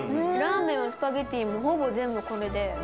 ラーメンやスパゲッティもほぼ全部これで。